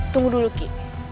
tunggu dulu ki